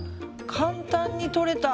簡単に取れた。